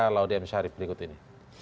laudem syarif berikut ini